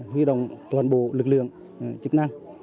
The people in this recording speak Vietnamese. huy động toàn bộ lực lượng chức năng